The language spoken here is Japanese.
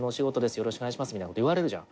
よろしくお願いします」みたいなこと言われるじゃん。